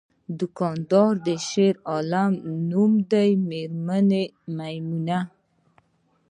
دغه دوکاندار شیرعالم نومیده، میرمن یې میمونه!